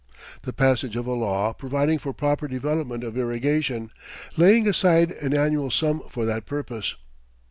The passage of a law providing for proper development of irrigation, laying aside an annual sum for that purpose.